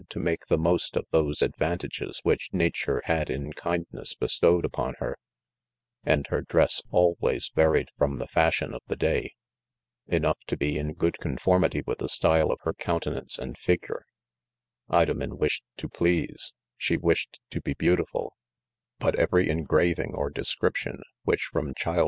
to make the most of those advantages which nature had in kindness bestowed upon her 5 and her dress always va ried from the fashion of the day, enough to: be in good conformity with the style of her coun tenance and figure^ Idom en wishe^'tc^pleaseg she wished to be be autifu l ; but, every en g ra Tins' or description which from " chiiflr.